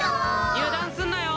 油断すんなよ！